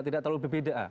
tidak terlalu berbeda